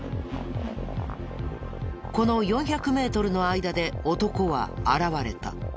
この４００メートルの間で男は現れた。